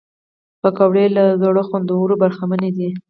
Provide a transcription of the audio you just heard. پکورې له زړو خوندونو برخمنې دي